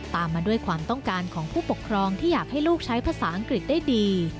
มาด้วยความต้องการของผู้ปกครองที่อยากให้ลูกใช้ภาษาอังกฤษได้ดี